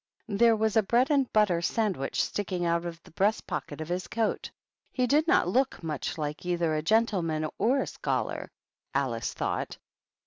There was a bread and butter sandwich sticking out of the breast pocket of his coat. He did not look much like either a gentleman or a scholar, Alice thought.